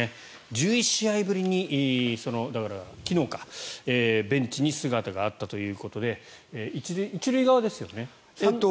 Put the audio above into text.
１１試合ぶりにだから、昨日かベンチに姿があったということで１塁側ですよね？